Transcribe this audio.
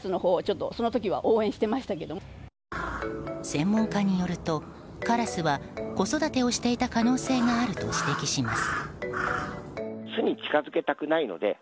専門家によるとカラスは子育てをしていた可能性があると指摘します。